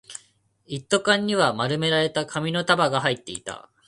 一斗缶には丸められた紙の束が入っていた